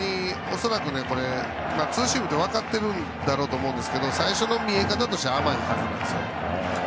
恐らくこれはツーシームと分かってるんだと思うんですけど最初の見え方として甘いはずなんですね。